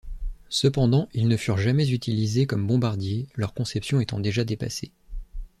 Cependant, ils ne furent jamais utilisés comme bombardier, leur conception étant déjà dépassée.